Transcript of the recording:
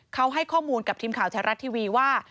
เขาให้ข้อมูลกับทีมข่าวแท้รัฐทีวีว่า